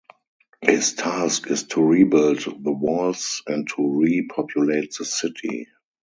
His task is to rebuild the walls and to re-populate the city.